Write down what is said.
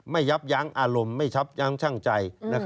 ไม่ยับยั้งอารมณ์ไม่ชับใจ